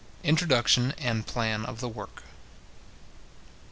INTRODUCTION AND PLAN OF THE WORK.